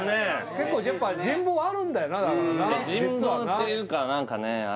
結構やっぱ人望あるんだよなだからな人望というか何かね